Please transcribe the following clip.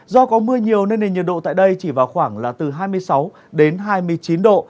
do có mưa nhiều nên nền nhiệt độ tại đây chỉ vào khoảng là từ hai mươi sáu đến hai mươi chín độ